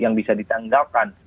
yang bisa ditanggalkan